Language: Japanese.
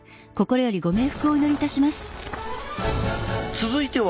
続いては